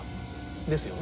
ですよね。